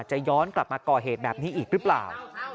จะย้อนกลับมาก่อเหตุแบบนี้อีกหรือเปล่า